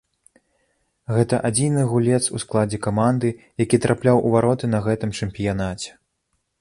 Гэта адзіны гулец у складзе каманды, які трапляў у вароты на гэтым чэмпіянаце.